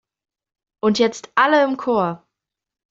Und jetzt alle im Chor!